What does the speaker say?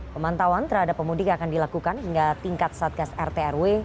pemantauan terhadap pemudik akan dilakukan hingga tingkat satgas rtrw